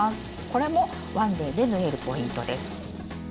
これも１ｄａｙで縫えるポイントです。